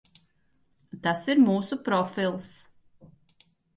Tas ir mūsu profils.